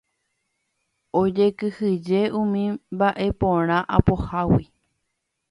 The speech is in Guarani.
Ojekyhyje umi mbaʼeporã apohágui.